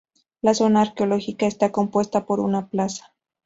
La zona arqueológica está compuesta por una plaza.